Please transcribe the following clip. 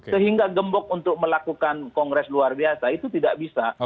sehingga gembok untuk melakukan kongres luar biasa itu tidak bisa